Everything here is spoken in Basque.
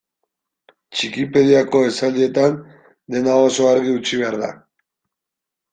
Txikipediako esaldietan dena oso argi utzi behar da.